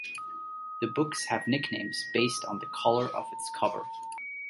The books have nicknames based on the color of its cover.